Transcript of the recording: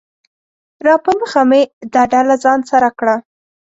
راپه مخه مې دا ډله ځان سره کړه